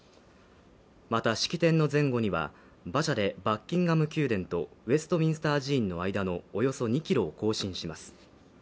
また式典の前後には馬車でバッキンガム宮殿とウェストミンスター寺院の間のおよそ２キロを行進します。